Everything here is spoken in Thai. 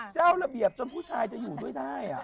เจ้าระเบียบจนผู้ชายจะอยู่ด้วยได้